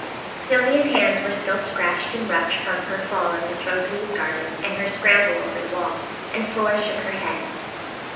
Sylvia's hands were still scratched and roughed from her fall in Miss Rosalie's garden and her scramble over the wall, and Flora shook her head.